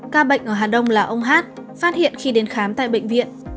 ca bệnh ở hà đông là ông hát phát hiện khi đến khám tại bệnh viện